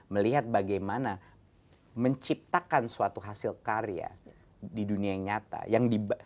melihat bagaimana menciptakan suatu hasil karya di dunia yang nyata